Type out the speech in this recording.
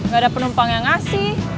gak ada penumpang yang ngasih